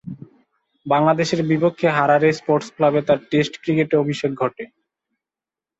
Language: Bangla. বাংলাদেশের বিপক্ষে হারারে স্পোর্টস ক্লাবে তার টেস্ট ক্রিকেটে অভিষেক ঘটে।